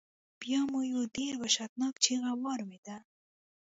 بیا ما یو ډیر وحشتناک چیغہ واوریده.